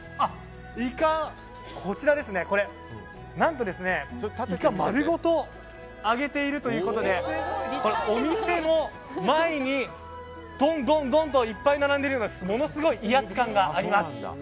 こちら何と、イカを丸ごと揚げているということでお店の前にドンドンドンといっぱい並んでいてものすごい威圧感があります。